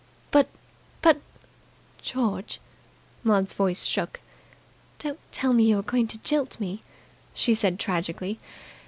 "But But " "George!" Maud's voice shook. "Don't tell me you are going to jilt me!" she said tragically.